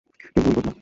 কেউ গুলি করবে না।